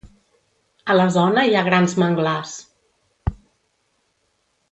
A la zona hi ha grans manglars.